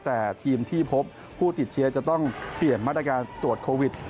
แต่ทีมที่พบผู้ติดเชื้อจะต้องเปลี่ยนมาตรการตรวจโควิด